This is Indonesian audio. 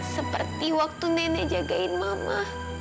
seperti waktu nenek jagain mama